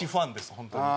本当に。